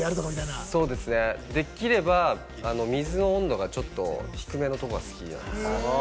できれば水の温度がちょっと低めのところが好きなんです。